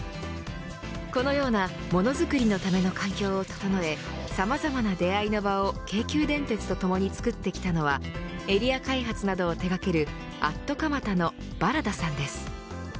このようなものづくりのための環境を整えさまざまな出会いの場を京急電鉄と共につくってきたのはエリア開発などを手掛けるアットカマタの茨田さんです。